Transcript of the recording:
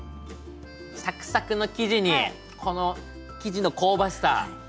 サクサクの生地にこの生地の香ばしさ。